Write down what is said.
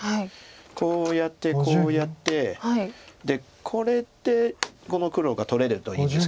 こうやってこうやってでこれでこの黒が取れるといいんですけど。